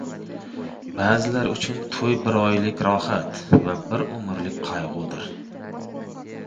• Ba’zilar uchun to‘y bir oylik rohat va bir umrlik qayg‘udir.